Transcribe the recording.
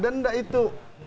ada enggak itu